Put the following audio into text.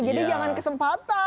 jadi jangan kesempatan